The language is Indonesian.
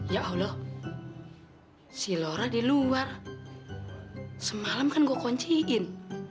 ya allah si lora di luar semalam kan gue kunciin